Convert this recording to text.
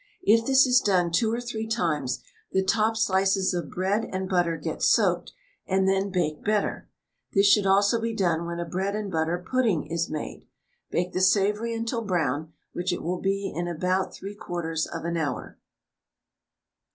If this is done two or three times, the top slices of bread and butter get soaked, and then bake better. This should also be done when a bread and butter pudding is made. Bake the savoury until brown, which it will be in about 3/4 of an hour.